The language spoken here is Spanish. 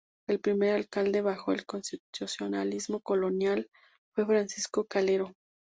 El primer alcalde bajo el constitucionalismo colonial fue Francisco Calero.